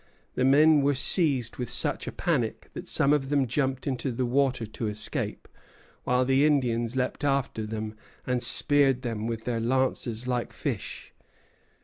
The men were seized with such a panic that some of them jumped into the water to escape, while the Indians leaped after them and speared them with their lances like fish.